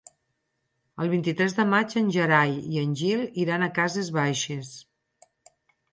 El vint-i-tres de maig en Gerai i en Gil iran a Cases Baixes.